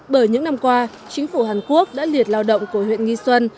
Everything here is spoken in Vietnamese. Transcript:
bởi những năm qua chính phủ hàn quốc đã liệt lao động của huyện nghi xuân